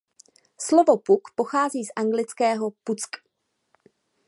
Slovo puk pochází z anglického "puck".